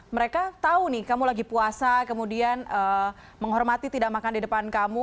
mereka tahu nih kamu lagi puasa kemudian menghormati tidak makan di depan kamu